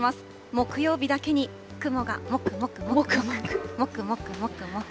木曜日だけに、雲がもくもくもく